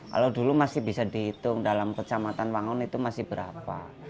kalau dulu masih bisa dihitung dalam kecamatan wangun itu masih berapa